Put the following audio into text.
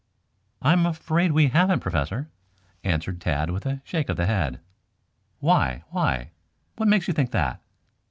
"I am afraid we haven't, Professor," answered Tad, with a shake of the head. "Why why, what makes you think that?"